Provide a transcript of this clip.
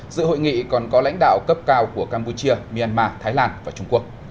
dự hội nghị còn có lãnh đạo cấp cao của campuchia myanmar thái lan và trung quốc